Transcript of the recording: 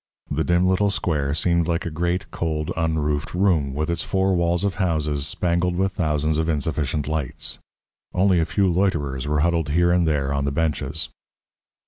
The dim little square seemed like a great, cold, unroofed room, with its four walls of houses, spangled with thousands of insufficient lights. Only a few loiterers were huddled here and there on the benches.